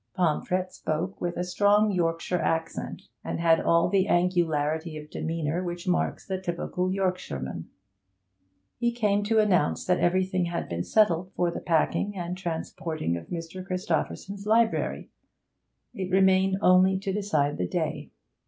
Pomfret spoke with a strong Yorkshire accent, and had all the angularity of demeanour which marks the typical Yorkshireman. He came to announce that everything had been settled for the packing and transporting of Mr. Christopherson's library; it remained only to decide the day.